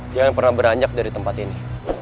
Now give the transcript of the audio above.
jangan pernah beranjak dari tempat ini